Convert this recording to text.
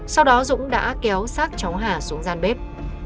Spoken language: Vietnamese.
sau đó dũng đã kéo sát cháu hà xuống gian bếp